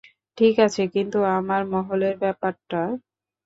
ঠিকাছে, কিন্তু আমার, মহলের ব্যাপারটা?